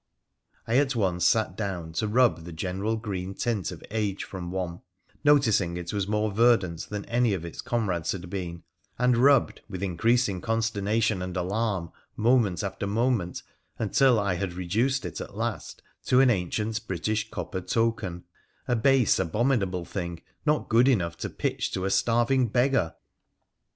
I at once sat down to rub the general green tint of age from one, noticing it was more verdant than any of its com rades had been, and rubbed with increasing consternation and alarm moment after moment, until I had reduced it at last to an ancient British copper token, a base, abominable thing, not good enough to pitch to a starving beggar